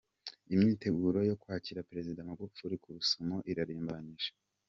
Imyiteguro yo kwakira Perezida Magufuli ku Rusumo irarimbanyije.